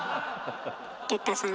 哲太さん